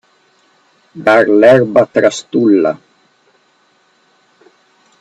Dar l'erba trastulla.